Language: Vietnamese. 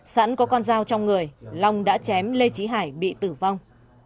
sẵn có con dao trong người long đã chém lê trí hải bị tử vong